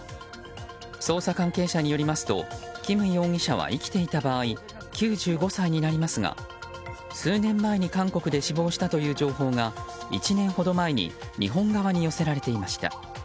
捜査関係者によりますとキム容疑者は生きていた場合９５歳になりますが数年前に韓国で死亡したという情報が１年ほど前に日本側に寄せられていました。